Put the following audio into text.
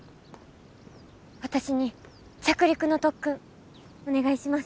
私に着陸の特訓お願いします。